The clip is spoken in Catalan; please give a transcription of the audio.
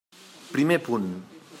Primer punt.